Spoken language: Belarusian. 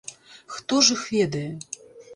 Хто ж іх ведае?!